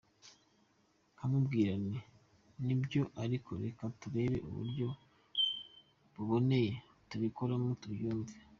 Nkamubwira nti nibyo, ariko reka turebe uburyo buboneye tubikoramo ntabyumve.